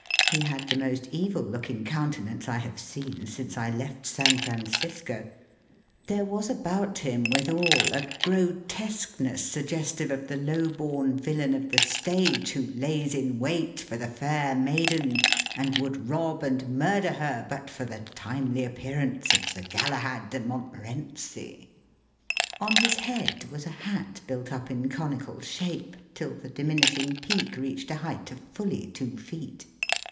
He had the most evil looking countenance I have seen since I left San Francisco. There was about him, withal, a grotesqueness sug gestive of the low born villain of the stage, VOL u. 33 Digitized by VjOOQIC 210 EAST BY WEST. who lays in wait for the fair maiden, and would rob and murder her hut for the timely appearance of Sir Galahad de Montmorency. On his head was a hat built up in conical shape, till the diminishing peak reached a height of fully two feet.